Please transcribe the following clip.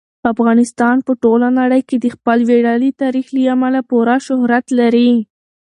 افغانستان په ټوله نړۍ کې د خپل ویاړلي تاریخ له امله پوره شهرت لري.